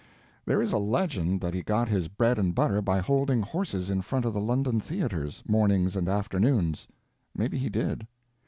There is a legend that he got his bread and butter by holding horses in front of the London theaters, mornings and afternoons. Maybe he did.